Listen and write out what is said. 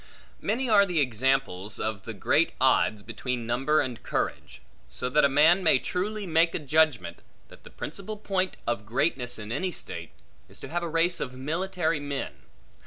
Many are the examples of the great odds, between number and courage; so that a man may truly make a judgment, that the principal point of greatness in any state, is to have a race of military men.